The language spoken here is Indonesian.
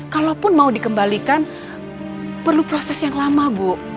kalaupun mau dikembalikan perlu proses yang lama bu